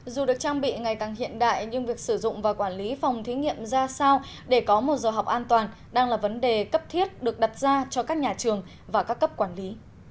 dù được trang bị ngày càng hiện đại nhưng việc sử dụng và quản lý phòng thí nghiệm ra sao để có một giờ học an toàn đang là vấn đề cấp thiết được đặt ra cho các nhà trường và các cấp quản lý